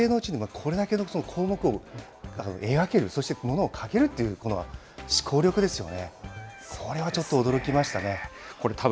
びっくりするのが、学生のうちに、これだけの項目を描ける、そしてものをかけるというこの思考力ですよね、これはちょっと驚きまし